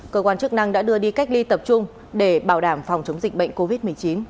cơ quan chức năng đã đưa đi cách ly tập trung để bảo đảm phòng chống dịch bệnh covid một mươi chín